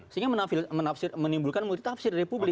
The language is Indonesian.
sehingga menimbulkan multi tafsir dari publik